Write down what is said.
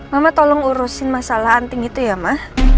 mama tolong urusin masalah andin itu ya ma